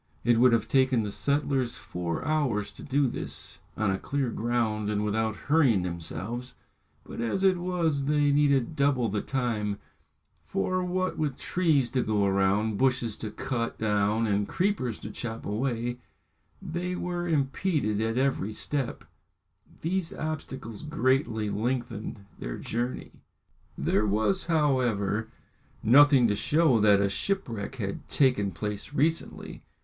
It would have taken the settlers four hours to do this, on a clear ground and without hurrying themselves; but as it was they needed double the time, for what with trees to go round, bushes to cut down, and creepers to chop away, they were impeded at every step, these obstacles greatly lengthening their journey. There was, however, nothing to show that a shipwreck had taken place recently.